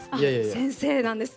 先生なんですね。